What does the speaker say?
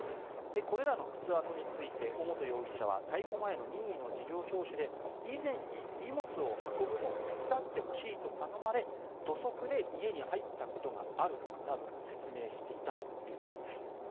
これらの靴跡について尾本容疑者は逮捕前の任意の事情聴取で以前に、荷物を運ぶのを手伝ってほしいと頼まれ土足で家に入ったことがあるなど説明していたということです。